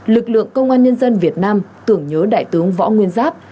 lực lượng công an nhân dân việt nam tưởng nhớ đại tướng võ nguyên giáp